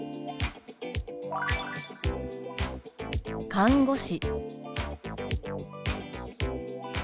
「看護師」。